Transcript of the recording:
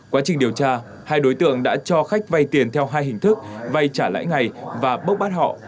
quá trình điều tra hai đối tượng đã cho khách vay tiền theo hai hình thức vay trả lãi ngày và bốc bắt họ